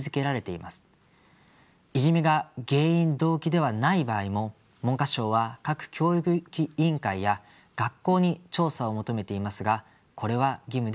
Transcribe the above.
いじめが原因・動機ではない場合も文科省は各教育委員会や学校に調査を求めていますがこれは義務ではありません。